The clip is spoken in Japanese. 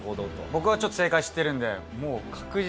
僕はちょっと正解知ってるんでもう。